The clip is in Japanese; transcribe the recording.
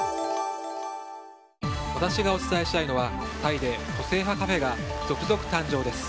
私がお伝えしたいのはタイで個性派カフェが続々誕生です。